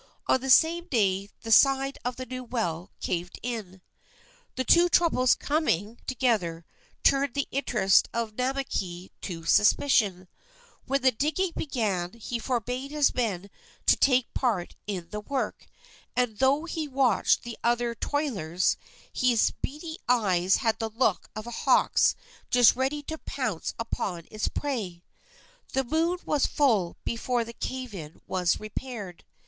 On the same day the side of the new well caved in. The two troubles coming together turned the interest of Namakei to suspicion. When the digging began again he forbade his men to take part in the work, and, though he still watched the other toilers, his beady eyes had the look of a hawk's just ready to pounce upon its prey. The moon was full before the cave in was repaired.